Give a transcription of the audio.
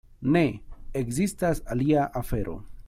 Ne: ekzistas alia afero.